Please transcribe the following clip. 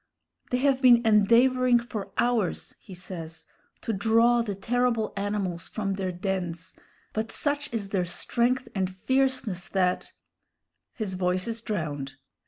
"They have been endeavoring for hours," he says, "to draw the terrible animals from their dens, but such is their strength and fierceness, that " His voice is drowned.